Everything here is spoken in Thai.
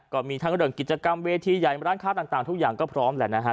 ก็มีทั้งเรื่องกิจกรรมเวทีใหญ่ร้านค้าต่างทุกอย่างก็พร้อมแหละนะฮะ